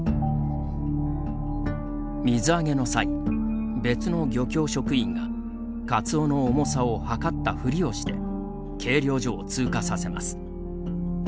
水揚げの際、別の漁協職員がカツオの重さを量ったふりをして計量所を通過させます。